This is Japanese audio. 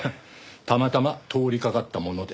たまたま通りかかったもので。